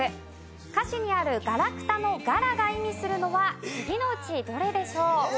歌詞にある「ガラクタ」の「ガラ」が意味するのは次のうちどれでしょう？